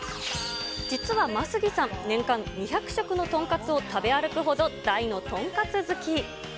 実は眞杉さん、年間２００食のとんかつを食べ歩くほど、大のとんかつ好き。